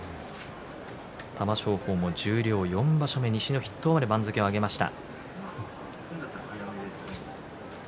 玉正鳳も十両４場所目西の筆頭まで番付を上げました。